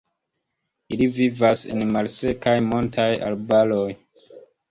Ili vivas en malsekaj montaj arbaroj.